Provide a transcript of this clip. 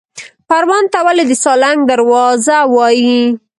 پروان ته ولې د سالنګ دروازه وایي؟